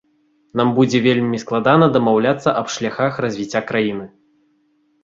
Нам будзе вельмі складана дамаўляцца аб шляхах развіцця краіны.